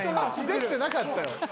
できてなかったよ。